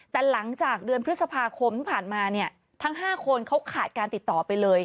แต่หลังจากเดือนพฤษภาคมที่ผ่านมาเนี่ยทั้ง๕คนเขาขาดการติดต่อไปเลย